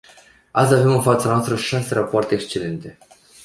Astăzi avem în fața noastră șase rapoarte excelente.